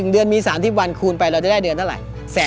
๑เดือนมี๓๐วันคูณไปเราจะได้เดือนเท่าไหร่